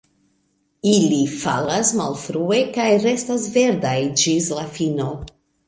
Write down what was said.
Ili falas malfrue kaj restas verdaj ĝis la fino.